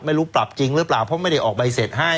ไม่รู้ปรับจริงหรือเปล่าเพราะไม่ได้ออกใบเสร็จให้